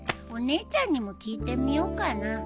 お姉ちゃんにも聞いてみようかな。